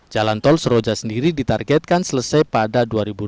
jalan tol seroja sendiri ditargetkan selesai pada dua ribu dua puluh